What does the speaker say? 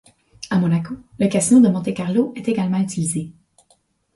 À Monaco, le Casino de Monte-Carlo est également utilisé.